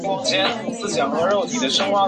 之后到法国表演。